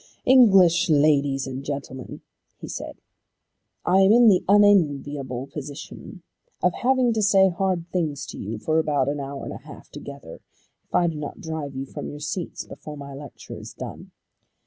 "English Ladies and Gentlemen," he said, "I am in the unenviable position of having to say hard things to you for about an hour and a half together, if I do not drive you from your seats before my lecture is done.